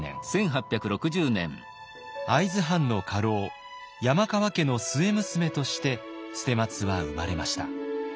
会津藩の家老山川家の末娘として捨松は生まれました。